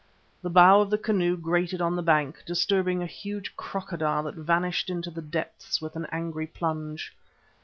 The bow of the canoe grated on the bank, disturbing a huge crocodile that vanished into the depths with an angry plunge.